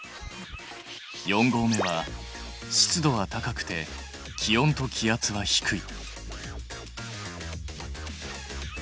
四合目は湿度は高くて気温と気圧は低い。